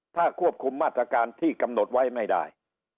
ถ้าควบคุมมาตรการที่กำหนดไว้ไม่ได้